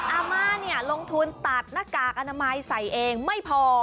อาม่าลงทุนตัดนะคะกอนามัยใส่เองไม่พอ